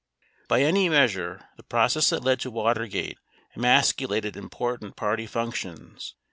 By any measure, the process that led to Watergate emasculated im portant party functions.